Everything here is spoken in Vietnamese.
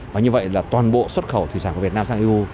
và như vậy là toàn bộ xuất khẩu thủy sản của việt nam sang eu